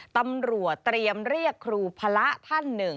ตำรวจเตรียมเรียกครูพระท่านหนึ่ง